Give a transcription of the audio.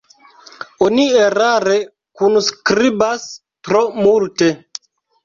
Oni erare kunskribas tro multe.